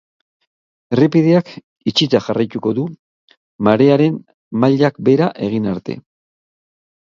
Errepideak itxita jarraituko du marearen mailak behera egin arte.